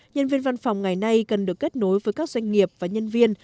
nhân viên văn phòng ngày nay cần được kết nối với các doanh nghiệp và nhân viên